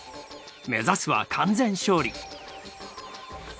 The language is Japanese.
目指すは「完全勝利！」。